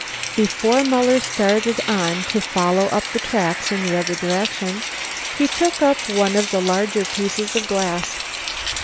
Before Muller started on to follow up the tracks in the other direction, he took up one of the larger pieces' of glass.